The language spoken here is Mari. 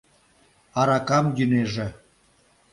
— Аракам йӱнеже!..